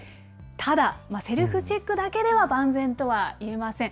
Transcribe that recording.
ただ、セルフチェックだけでは万全とはいえません。